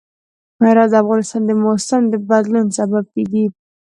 هرات د افغانستان د موسم د بدلون سبب کېږي.